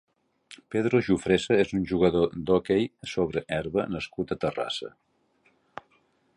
Pedro Jufresa és un jugador d'hoquei sobre herba nascut a Terrassa.